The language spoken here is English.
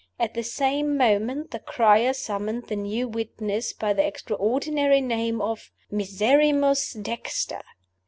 At the same moment the crier summoned the new witness by the extraordinary name of "MISERRIMUS DEXTER" CHAPTER XX.